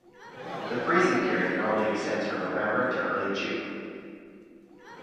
The freezing period normally extends from November to early June.